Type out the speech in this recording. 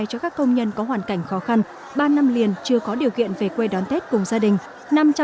cho các công nhân có hoàn cảnh khó khăn ba năm liền chưa có điều kiện về quê đón tết cùng gia đình